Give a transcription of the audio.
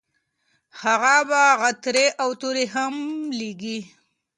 هغه به غاترې او توري هم لیږي.